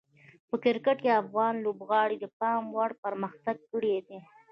په کرکټ کې افغان لوبغاړي د پام وړ پرمختګ کړی دی.